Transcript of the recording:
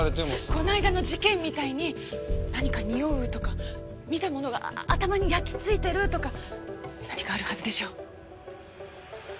こないだの事件みたいに何かにおうとか見たものが頭に焼きついてるとか何かあるはずでしょ？